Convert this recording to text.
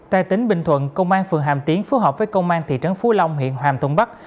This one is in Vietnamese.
tại tỉnh bình thuận công an phường hàm tiến phối hợp với công an thị trấn phú long huyện hàm thuận bắc